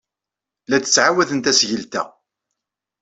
La d-ttɛawaden tasgilt-a.